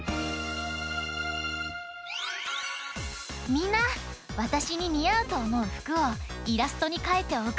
みんなわたしににあうとおもうふくをイラストにかいておくってね！